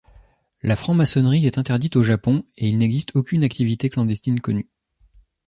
La franc-maçonnerie est interdite au Japon et il n'existe aucune activité clandestine connue.